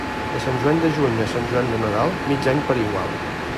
De Sant Joan de juny a Sant Joan de Nadal, mig any per igual.